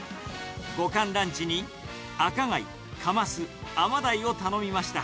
５貫ランチに赤貝、カマス、アマダイを頼みました。